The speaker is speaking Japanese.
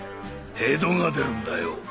反吐が出るんだよ！